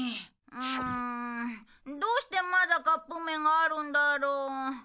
うんどうしてまだカップ麺があるんだろう？